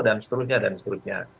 dan seterusnya dan seterusnya